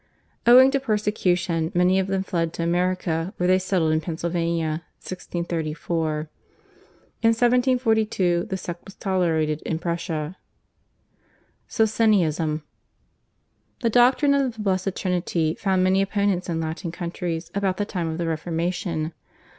Owing to persecution many of them fled to America where they settled in Pennsylvania (1634). In 1742 the sect was tolerated in Prussia. /Socinianism/. The doctrine of the Blessed Trinity found many opponents in Latin countries about the time of the Reformation.